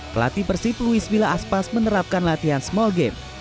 pelati persib luis vila aspas menerapkan latihan small game